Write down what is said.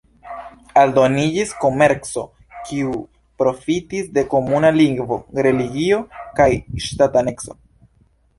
Aldoniĝis komerco, kiu profitis de komuna lingvo, religio kaj ŝtataneco.